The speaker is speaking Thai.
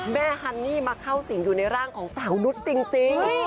ฮันนี่มาเข้าสิงอยู่ในร่างของสาวนุษย์จริง